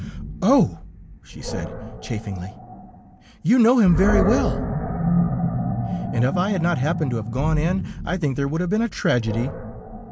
"'Oh!' she said, chaffingly, 'you know him very well!' and if I had not happened to have gone in I think there would have been a tragedy....